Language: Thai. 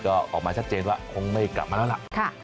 ก็ออกมาชัดเจนว่าคงไม่กลับมาแล้วล่ะ